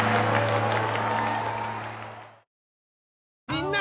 みんな！